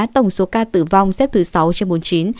tổng số ca tử vong xếp thứ sáu trên bốn mươi chín